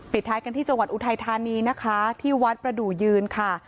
ท้ายกันที่จังหวัดอุทัยธานีนะคะที่วัดประดูกยืนค่ะ